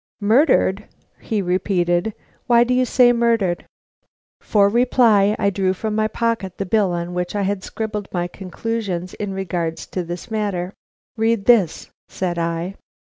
"Murdered," he repeated. "Why do you say murdered?" For reply I drew from my pocket the bill on which I had scribbled my conclusions in regard to this matter. "Read this," said I.